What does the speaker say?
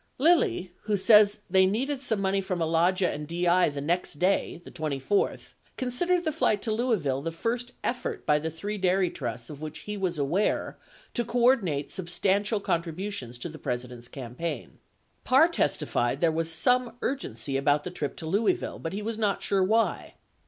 Lilly, who says they needed some money from Alagia and DI the next day, the 24th, considered the flight to Louisville the first effort by the three dairy trusts of which he was aware to coordinate sub stantial contributions to the President's campaign. 62 Parr testified there was "some urgency" about the trip to Louisville, but he was not sure why.